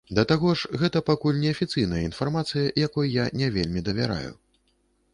Да таго ж, гэта пакуль неафіцыйная інфармацыя, якой я не вельмі давяраю.